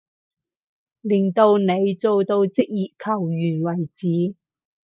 練到你做到職業球員為止